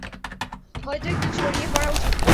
হয়তো একটু ছড়িয়ে পড়া উচিত।